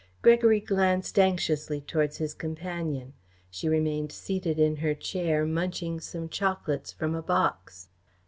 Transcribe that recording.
Gregory glanced anxiously towards his companion. She remained seated in her chair, munching some chocolates from a box.